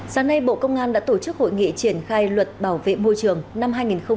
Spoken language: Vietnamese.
sáng nay bộ công an đã tổ chức hội nghị triển khai luật bảo vệ môi trường năm hai nghìn hai mươi ba